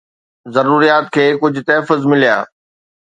ضروريات کي ڪجهه تحفظ مليا